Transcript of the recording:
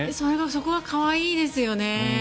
そこが可愛いですよね。